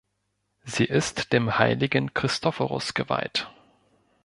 Sie ist dem heiligen Christophorus geweiht.